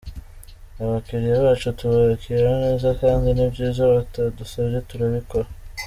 Abakiliya bacu tubakira neza kandi n’ibyiza batadusabye turabikora.